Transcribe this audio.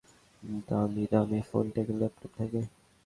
দামিদামি phone থাকে, laptop থাকে।